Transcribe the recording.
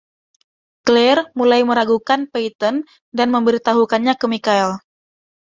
Claire mulai meragukan “Peyton” dan memberitahukannya ke Michael.